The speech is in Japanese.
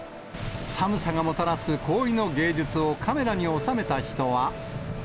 寒さがもたらす氷の芸術をカメラに収めた人は。